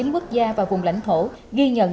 quốc gia và vùng lãnh thổ ghi nhận